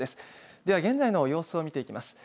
では現在の様子を見ていきます。